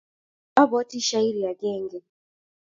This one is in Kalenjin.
abwoti shairi akenge